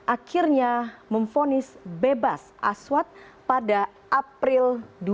akhirnya memfonis bebas aswat pada april dua ribu tujuh belas